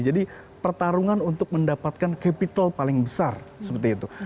jadi pertarungan untuk mendapatkan capital paling besar seperti itu